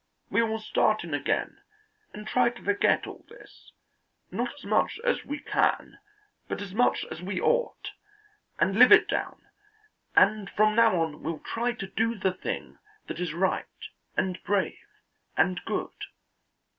"We will start in again and try to forget all this, not as much as we can, but as much as we ought, and live it down, and from now on we'll try to do the thing that is right and brave and good."